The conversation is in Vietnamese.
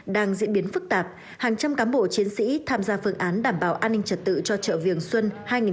đang diễn biến phức tạp hàng trăm cán bộ chiến sĩ tham gia phương án đảm bảo an ninh trật tự cho chợ viềng xuân hai nghìn hai mươi bốn